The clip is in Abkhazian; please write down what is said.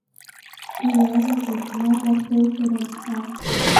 Сгәы иаанагоит, мап ахуҳәаарым ҳәа.